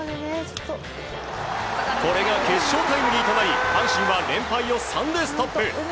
これが決勝タイムリーとなり阪神は連敗を３でストップ。